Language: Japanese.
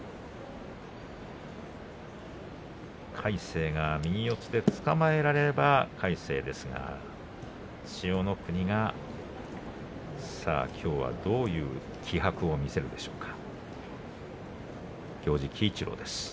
魁聖が右四つでつかまえられれば魁聖ですが千代の国がきょうはどういう気迫を見せるでしょうか。